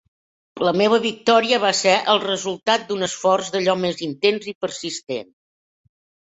La meva victòria va ser el resultat d'un esforç d'allò més intens i persistent.